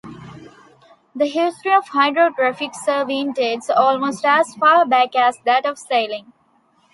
The history of hydrographic surveying dates almost as far back as that of sailing.